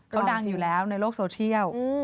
เขาดังอยู่แล้วในโลกโซเชียล